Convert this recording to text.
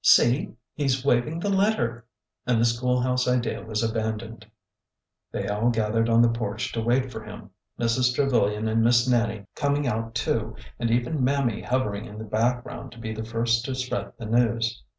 See 1 he 's waving the letter." And the school house idea was abandoned. They all gathered on the porch to wait for him,— Mrs. Trevilian and Miss Nannie coming out too, and even Mammy hovering in the background to be the first to spread the news.